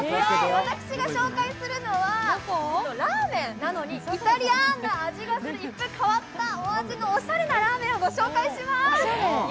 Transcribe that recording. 私が紹介するのはラーメンなのにイタリアの香りがする一風変わったお味のおしゃれなラーメンを紹介します。